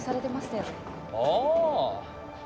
ああ。